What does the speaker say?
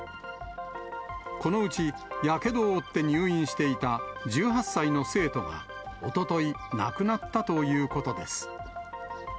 このうち、やけどを負って入院していた１８歳の生徒がおととい、亡くなったということです。